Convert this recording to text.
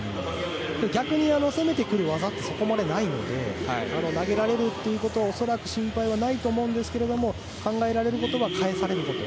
逆に攻めてくる技ってそこまでないので投げられるという恐らく心配はないと思うんですが考えられることは返されること。